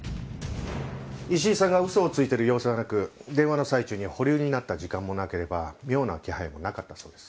石井さんが嘘をついてる様子はなく電話の最中に保留になった時間もなければ妙な気配もなかったそうです。